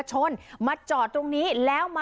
โดนสั่งแอป